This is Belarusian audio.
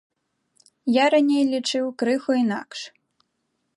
Я раней лічыў крыху інакш.